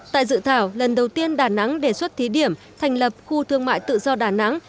tại dự thảo lần đầu tiên đà nẵng đề xuất thí điểm thành lập khu thương mại tự do đà nẵng